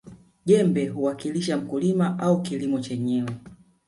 jembe huwakilisha mkulima au kilimo chenyewe